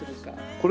これ？